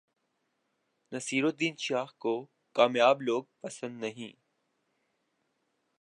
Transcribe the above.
نصیرالدین شاہ کو کامیاب لوگ پسند نہیں